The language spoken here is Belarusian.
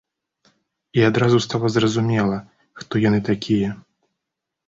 І адразу стала зразумела, хто яны такія.